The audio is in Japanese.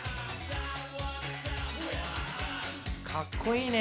かっこいいね！